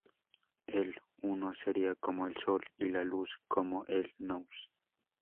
El Uno sería como el Sol, y la Luz como el nous.